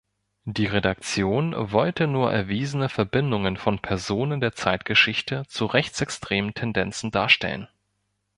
Die Redaktion wollte nur erwiesene Verbindungen von Personen der Zeitgeschichte zu rechtsextremen Tendenzen darstellen.